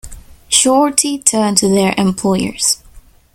Shorty turned to their employers.